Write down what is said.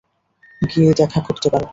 গিয়ে দেখা করতে পারো।